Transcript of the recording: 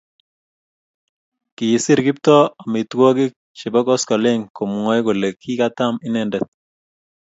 kiisiir Kiptoo omitwogik chebo koskoleny komwoei kole kikatam inendet